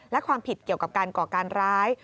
และความผิดเกี่ยวกับการก่อการร้าย